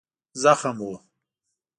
زخم و.